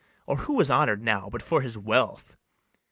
Or who is honour'd now but for his wealth?